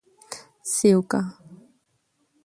سیوکه: